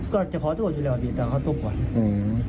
ก็จะขอโทษอยู่แล้วดีแต่เขาตุ๊บกว่า